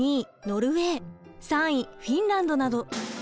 ノルウェー３位フィンランドなど。